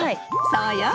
そうよ。